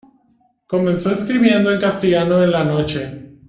Comenzó escribiendo en castellano en "La Noche".